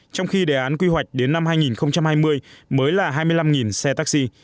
trong khi đề án quy hoạch đến năm hai nghìn hai mươi mới là hai mươi năm xe taxi